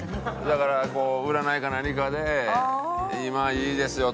だからこう占いか何かで今いいですよと。